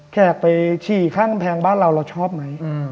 แขกไปฉี่ข้างกำแพงบ้านเราเราชอบไหม